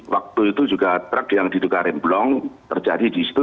waktu itu juga truk yang diduga remblong terjadi di situ